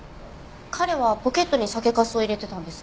彼はポケットに酒粕を入れてたんです。